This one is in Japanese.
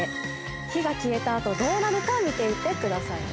火が消えた後どうなるか見ていてくださいね。